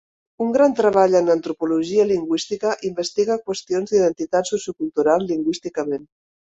Un gran treball en antropologia lingüística investiga qüestions d'identitat sociocultural lingüísticament.